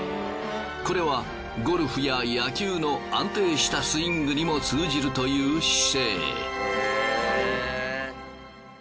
これはゴルフや野球の安定したスイングにも通じるという姿勢。へ。